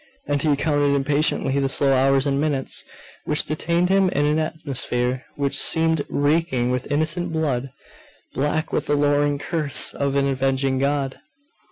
And he counted impatiently the slow hours and minutes which detained him in an atmosphere which seemed reeking with innocent blood, black with the lowering curse of an avenging God.